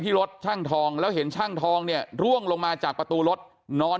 รถช่างทองแล้วเห็นช่างทองเนี่ยร่วงลงมาจากประตูรถนอน